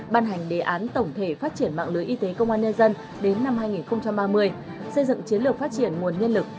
ban hành đề án tổng thể phát triển mạng lưới y tế công an nhân dân đến năm hai nghìn ba mươi xây dựng chiến lược phát triển nguồn nhân lực